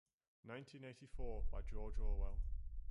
Nineteen eighty-four by George Orwell.